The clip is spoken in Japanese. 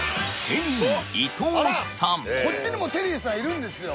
こっちにもテリーさんいるんですよ